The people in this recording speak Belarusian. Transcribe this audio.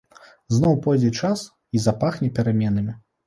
Зноў пойдзе час і запахне пераменамі.